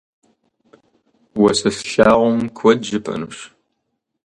Уэ сэ слъагъум куэд жыпӏэнущ.